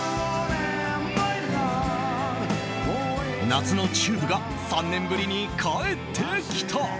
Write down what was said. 夏のＴＵＢＥが３年ぶりに帰ってきた。